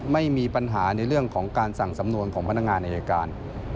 ไม่มีปัญหาในเรื่องของการสั่งสำนวนของพนักงานอายการ